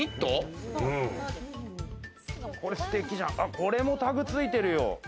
これもタグついてるよ。